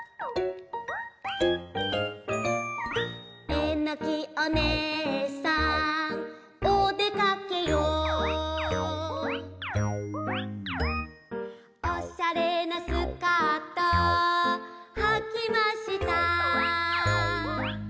「えのきお姉さんおでかけよ」「おしゃれなスカートはきました」